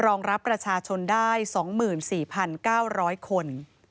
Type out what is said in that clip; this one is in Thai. รองรับประชาชนได้๒๔๙๐๐คน